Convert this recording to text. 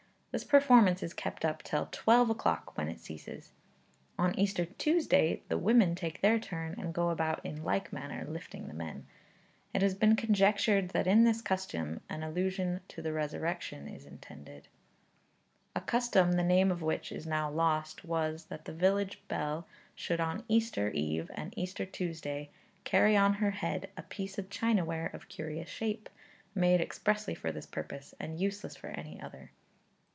This performance is kept up till twelve o'clock, when it ceases. On Easter Tuesday the women take their turn, and go about in like manner lifting the men. It has been conjectured that in this custom an allusion to the resurrection is intended. [Illustration: LIFTING. (From an old drawing.)] A custom, the name of which is now lost, was that the village belle should on Easter Eve and Easter Tuesday carry on her head a piece of chinaware of curious shape, made expressly for this purpose, and useless for any other.